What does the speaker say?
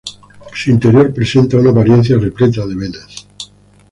Su interior presenta una apariencia repleta de venas.